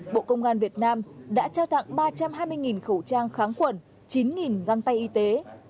bộ công an việt nam đã trao tặng ba trăm hai mươi khẩu trang kháng khuẩn chín găng tay y tế